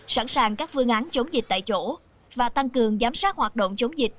sẵn sàng các phương án chống dịch tại chỗ và tăng cường giám sát hoạt động chống dịch